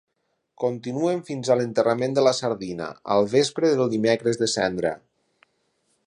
Continuen fins a l'enterrament de la sardina, al vespre del Dimecres de Cendra.